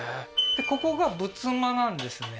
ここが仏間なんですね